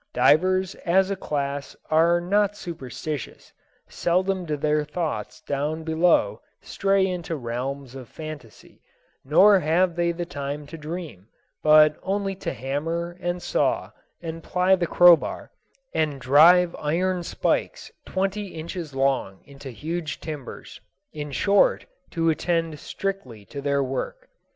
Divers, as a class, are not superstitious. Seldom do their thoughts down below stray into realms of fantasy, nor have they time to dream, but only to hammer, and saw, and ply the crowbar, and drive iron spikes twenty inches long into huge timbers in short, to attend strictly to their work.